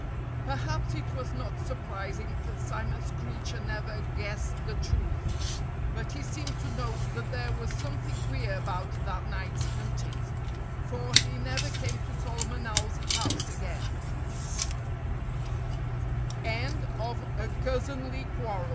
Perhaps it was not surprising that Simon Screecher never guessed the truth. But he seemed to know that there was something queer about that night's hunting, for he never came to Solomon Ow